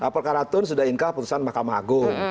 perkaratun sudah inkal putusan mahkamah agung